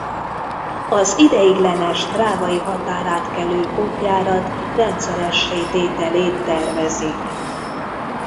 Az ideiglenes drávai határátkelő kompjárat rendszeressé tételét tervezik.